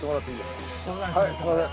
すみません。